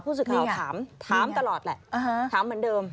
สื่อข่าวถามตลอดแหละถามเหมือนเดิม